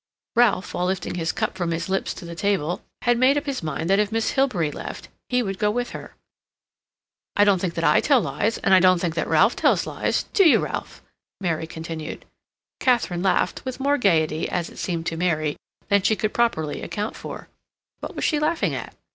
Ralph, while lifting his cup from his lips to the table, had made up his mind that if Miss Hilbery left, he would go with her. "I don't think that I tell lies, and I don't think that Ralph tells lies, do you, Ralph?" Mary continued. Katharine laughed, with more gayety, as it seemed to Mary, than she could properly account for. What was she laughing at?